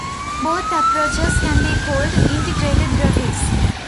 Both approaches can be called integrated graphics.